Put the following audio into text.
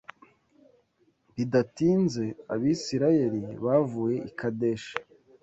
Bidatinze Abisirayeli bavuye i Kadeshi.